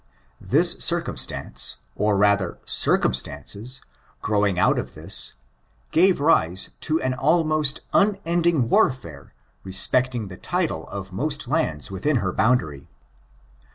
This circumstance, or rather circumstances growing out of this, gave rise to an almost unending wwrfare respecting the title of most lands mikin her boundary.